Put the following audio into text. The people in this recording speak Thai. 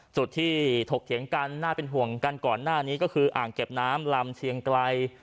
จุดที่ถกเถียงกันน่าเป็นห่วงกันก่อนหน้านี้ก็คืออ่างเก็บน้ำลำเชียงไกล